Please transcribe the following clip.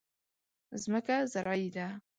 ځمکه زرعي ده.